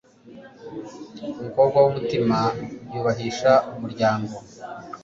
umukobwa w'umutima yubahisha umuryango